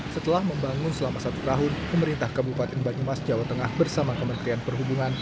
setelah membangun selama satu tahun pemerintah kabupaten banyumas jawa tengah bersama kementerian perhubungan